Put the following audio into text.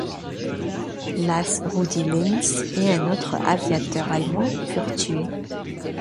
L'As Rudi Linz et un autre aviateur allemand furent tués.